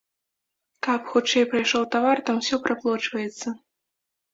Каб хутчэй прайшоў тавар там усё праплочваецца.